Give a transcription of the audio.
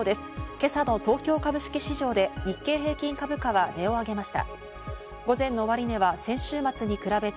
今朝の東京株式市場で日経平均株価は値を上げました。